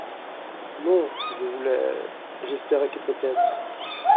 Non, je voulais… j’espérais que peut-être ?…